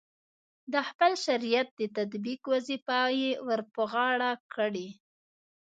د خپل شریعت د تطبیق وظیفه یې ورپه غاړه کړې.